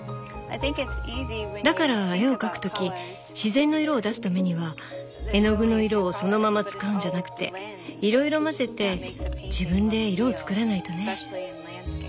だから絵を描く時自然の色を出すためには絵の具の色をそのまま使うんじゃなくていろいろ混ぜて自分で色を作らないとね。